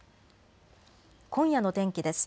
今夜の天気です。